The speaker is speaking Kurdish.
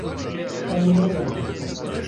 Ew nabeze.